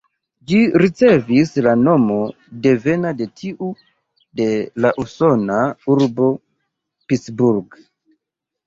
Ĝi ricevis la nomo devena de tiu de la usona urbo Pittsburgh.